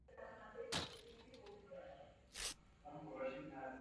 Následně nastoupil na školení pro důstojníky generálního štábu.